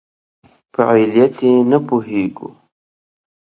په علت یې نه پوهېږو.